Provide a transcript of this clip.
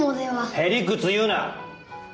屁理屈言うな！